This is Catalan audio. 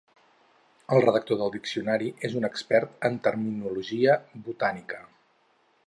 El redactor del diccionari és un expert en terminologia botànica.